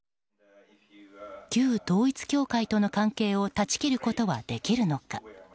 旧統一教会との関係を断ち切ることはできるのか。